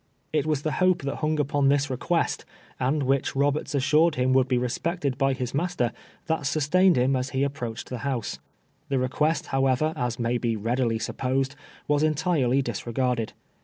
It Avas tlie Lope tliat Lung upon tLis request, and wLicli Roberts assured Lim would be re spected by Lis master, tLat sustained Lim as Le ap proacLed tLe Louse. Tlie request, liowever, as may be readily supposed, M'as entirely disregarded.